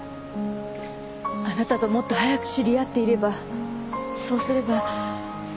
あなたともっと早く知り合っていればそうすれば。